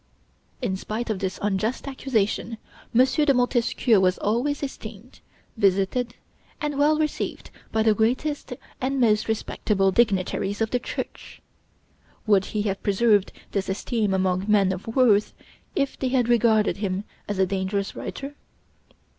In spite of this unjust accusation, M. de Montesquieu was always esteemed, visited, and well received by the greatest and most respectable dignitaries of the Church. Would he have preserved this esteem among men of worth, if they had regarded him as a dangerous writer?